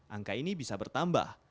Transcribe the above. angka ini bisa bertambah